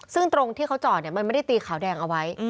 ซึ่งตรงที่เขาจอดมันไม่ได้ตีขาวแดงเอาไว้